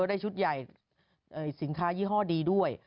ได้ชุดใหญ่สินค้ายี่ห้อดีด้วย